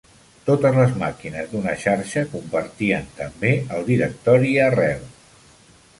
Totes les màquines d'una xarxa compartien també el directori arrel.